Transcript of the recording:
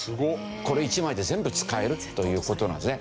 これ１枚で全部使えるという事なんですね。